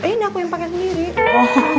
ini aku yang pakai sendiri